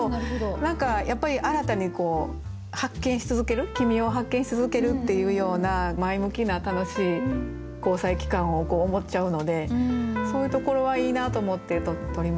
何かやっぱり新たに発見し続ける君を発見し続けるっていうような前向きな楽しい交際期間を思っちゃうのでそういうところはいいなと思ってとりました。